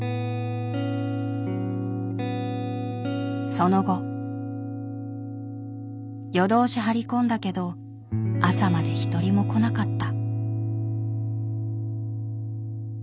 その後夜通し張り込んだけど朝まで一人も来なかった。